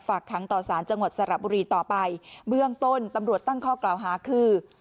ค้างต่อสารจังหวัดสระบุรีต่อไปเบื้องต้นตำรวจตั้งข้อกล่าวหาคือ